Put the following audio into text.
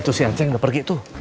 itu si anceng udah pergi tuh